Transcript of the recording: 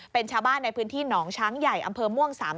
เป็นชาวบ้านในพื้นที่หนองช้างใหญ่อำเภอม่วง๓๐